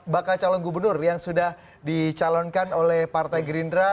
bakal calon gubernur yang sudah dicalonkan oleh partai gerindra